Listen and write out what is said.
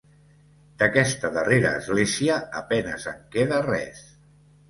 D'aquesta darrera església a penes en queda res.